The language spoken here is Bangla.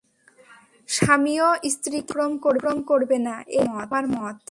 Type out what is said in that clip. স্বামীও স্ত্রীকে অতিক্রম করবে না– এই আমার মত।